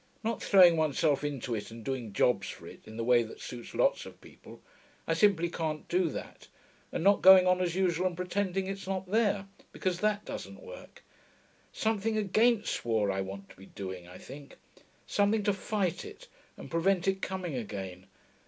Not throwing oneself into it and doing jobs for it, in the way that suits lots of people; I simply can't do that. And not going on as usual and pretending it's not there, because that doesn't work. Something against war, I want to be doing, I think. Something to fight it, and prevent it coming again....